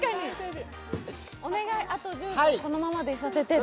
お願い、あと１０秒このままでいさせてで。